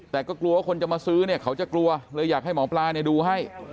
แต่ก็กลัวว่าคนจะมาซื้อเนี่ยเขาจะกลัวเลยอยากให้หมอปลาเนี่ยดูให้